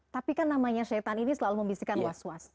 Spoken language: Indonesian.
tapi kan namanya syaitan ini selalu membisikkan was was